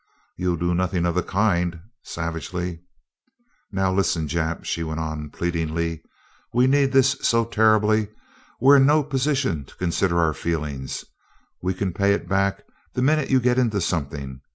"You'll do nothing of the kind!" savagely. "Now listen, Jap," she went on pleadingly. "We need this so terribly we're in no position to consider our feelings we can pay it back the minute you get into something.